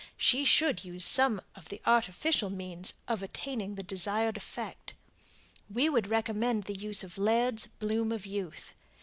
She should use some of the artificial means of attaining the desired effect. We would recommend the use of LAIRD'S "BLOOM OF YOUTH."